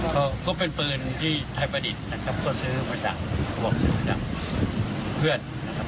เขาก็เป็นปืนที่ไทรปฏิสัตว์บอกซื้อเขาจากเพื่อน